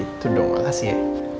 itu dong makasih ya